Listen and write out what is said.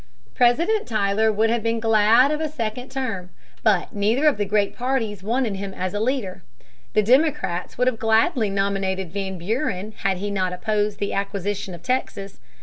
President Tyler would have been glad of a second term. But neither of the great parties wanted him as a leader. The Democrats would have gladly nominated Van Buren had he not opposed the acquisition of Texas.